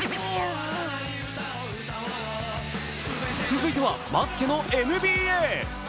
続いてはバスケのＮＢＡ。